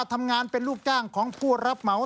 ทำงานเป็นลูกจ้างของผู้รับเหมา